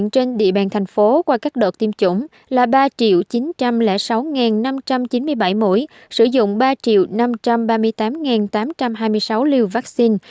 trên địa bàn thành phố qua các đợt tiêm chủng là ba chín trăm linh sáu năm trăm chín mươi bảy mũi sử dụng ba năm trăm ba mươi tám tám trăm hai mươi sáu liều vaccine